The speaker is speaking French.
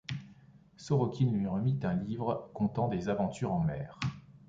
Sorokine lui remit un livre contant des aventures en mer.